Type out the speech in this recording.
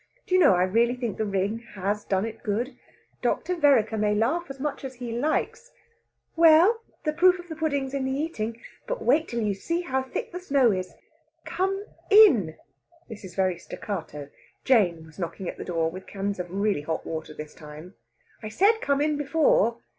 Do you know, I really think the ring has done it good. Dr. Vereker may laugh as much as he likes " "Well, the proof of the pudding's in the eating. But wait till you see how thick the snow is. Come in!" This is very staccato. Jane was knocking at the door with cans of really hot water this time. "I said come in before.